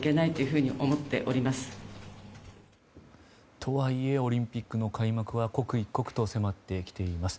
とはいえオリンピックの開幕は刻一刻と迫ってきています。